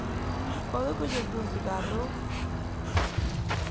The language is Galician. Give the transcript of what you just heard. Podo collerte un cigarro?